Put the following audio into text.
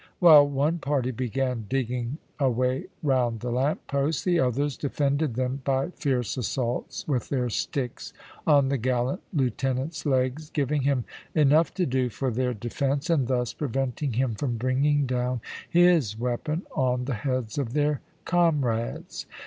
While one party began digging away round the lamp post, the others defended them by fierce assaults with their sticks on the gallant lieutenant's legs, giving him enough to do for their defence, and thus preventing him from bringing down his weapon on the heads of their comrades.